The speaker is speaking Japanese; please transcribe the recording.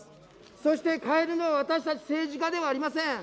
そして変えるのは私たち政治家ではありません。